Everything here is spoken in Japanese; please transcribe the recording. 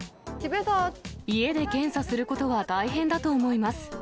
家で検査することは大変だと思います。